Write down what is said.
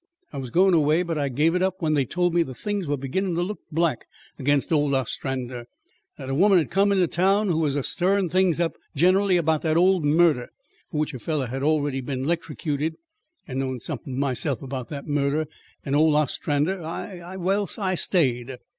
I was goin' away, but I gave it up when they told me that things were beginnin' to look black against Ol Ostrander; that a woman had come into town who was a stirrin' up things generally about that old murder for which a feller had already been 'lectrocuted, and knowin' somethin' myself about that murder and Ol Ostrander, I well, I stayed."